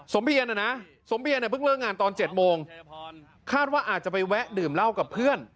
เพียรนะนะสมเพียรเนี่ยเพิ่งเลิกงานตอน๗โมงคาดว่าอาจจะไปแวะดื่มเหล้ากับเพื่อน